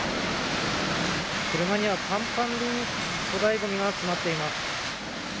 車にはぱんぱんに粗大ごみが詰まっています。